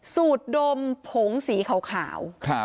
สูตรดมผงสีขาว